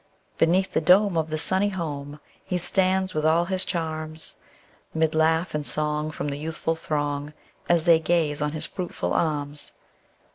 Beneath the dome of the sunny home, He stands with all his charms; 'Mid laugh and song from the youthful throng, As they gaze on his fruitful arms.